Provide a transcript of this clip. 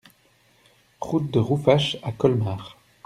Route de Rouffach à Colmar